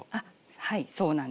はいそうなんです。